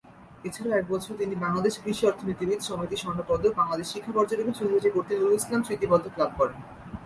এছাড়াও একই বছর তিনি বাংলাদেশ কৃষি অর্থনীতিবিদ সমিতি স্বর্ণপদক, বাংলাদেশ শিক্ষা পর্যবেক্ষণ সোসাইটি কর্তৃক ‘নজরুল ইসলাম স্মৃতি পদক’ লাভ করেন।